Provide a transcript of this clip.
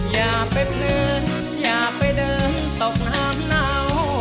อยากไปเพิ่งอยากไปเดินตกน้ำเหนา